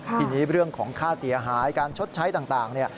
ทีนี้เรื่องของค่าเสียหายการชดใช้ต่างเนี่ย